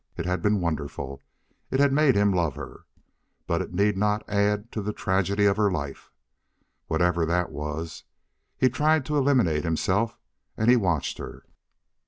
It had been wonderful; it had made him love her But it need not add to the tragedy of her life, whatever that was. He tried to eliminate himself. And he watched her.